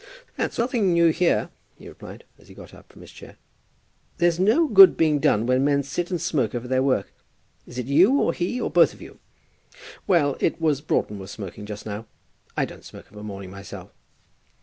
"That's nothing new here," he replied, as he got up from his chair. "There's no good being done when men sit and smoke over their work. Is it you, or he, or both of you?" "Well; it was Broughton was smoking just now. I don't smoke of a morning myself."